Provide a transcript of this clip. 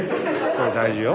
これ大事よ。